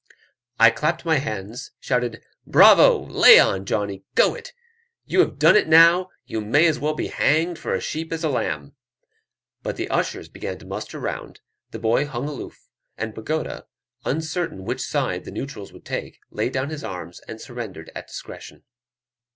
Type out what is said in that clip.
I clapped my hands, shouted "Bravo! lay on, Johnny go it you have done it now you may as well be hanged for a sheep as a lamb;" but the ushers began to muster round, the boy hung aloof, and Pagoda, uncertain which side the neutrals would take, laid down his arms, and surrendered at discretion.